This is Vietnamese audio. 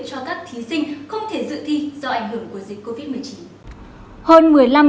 cho các thí sinh không thể dự thi do ảnh hưởng của dịch covid một mươi chín